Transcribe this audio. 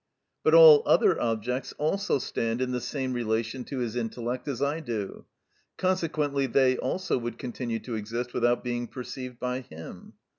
But all other objects also stand in the same relation to his intellect as I do; consequently they also would continue to exist without being perceived by him.